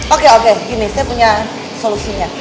oke oke gini saya punya solusinya